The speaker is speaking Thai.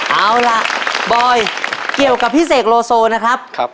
เอาล่ะบอยเกี่ยวกับพี่เสกโลโซนะครับ